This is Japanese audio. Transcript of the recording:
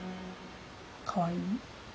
かわいい。